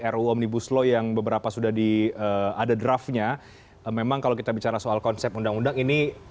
ru omnibus law yang beberapa sudah ada draftnya memang kalau kita bicara soal konsep undang undang ini